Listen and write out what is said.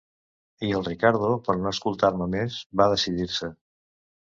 I el Riccardo, per no escoltar-me més, va decidir-se.